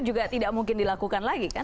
juga tidak mungkin dilakukan lagi kan